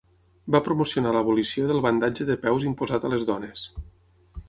Va promocionar la abolició del bandatge de peus imposat a les dones.